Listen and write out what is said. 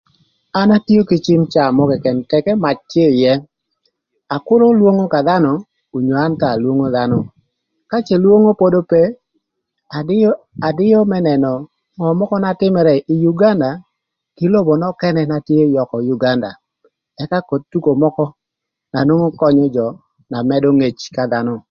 An atio kï cim caa mörö këkën tëkï mac tye ïë akürö lwongo ka dhanö onyo an thon alwongo dhanö ka cë lwongo pod ope adïö, adïö më nënö ngö mökö na tïmërë ï Uganda kï lobo nökënë na tye yökö Uganda ëka koth tuko mökö na nwongo könyö jö na mëdö ngec ka dhanö.